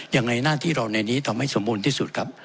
ยังไงหน้าที่เราในนี้ทำให้สมบูรณ์ที่สุดครับ